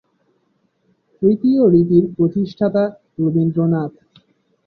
তৃতীয় রীতির প্রতিষ্ঠাতা রবীন্দ্রনাথ।